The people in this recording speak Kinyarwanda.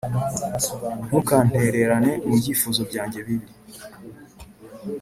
ntukantererane mu byifuzo byanjye bibi.